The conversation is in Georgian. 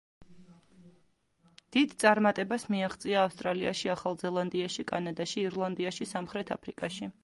დიდ წარმატებას მიაღწია ავსტრალიაში, ახალ ზელანდიაში, კანადაში, ირლანდიაში, სამხრეთ აფრიკაში.